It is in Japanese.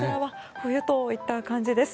冬といった感じです。